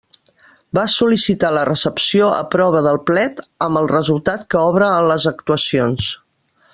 Va sol·licitar la recepció a prova del plet amb el resultat que obra en les actuacions.